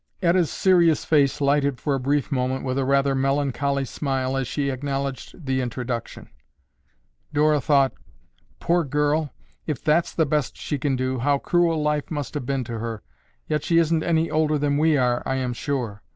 Etta's serious face lighted for a brief moment with a rather melancholy smile as she acknowledged the introduction. Dora thought, "Poor girl, if that's the best she can do, how cruel life must have been to her, yet she isn't any older than we are, I am sure.